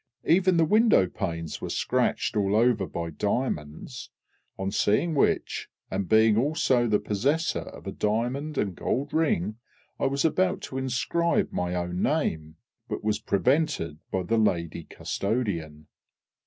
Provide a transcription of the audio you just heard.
Even the window panes were scratched all over by diamonds, on seeing which, and being also the possessor of a diamond and gold ring, I was about to inscribe my own name, but was prevented by the lady custodian.